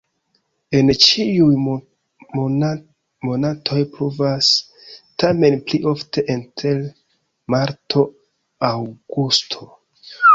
En ĉiuj monatoj pluvas, tamen pli ofte inter marto-aŭgusto.